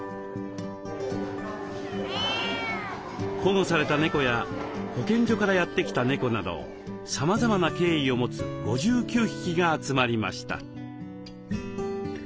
保護された猫や保健所からやって来た猫などさまざまな経緯を持つ５９匹が集まりました。